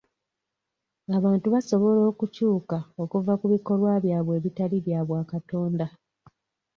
Abantu basobola okukyuka okuva ku bikolwa byabwe ebitali bya bwa katonda.